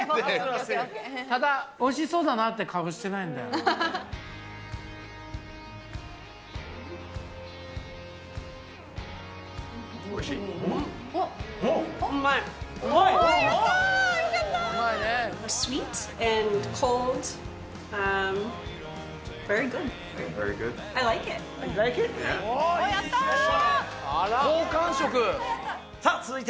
ただおいしそうだなっておいしい？